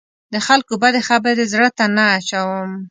د خلکو بدې خبرې زړه ته نه اچوم.